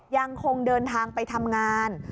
ยังคงเดินทางไปทำงาน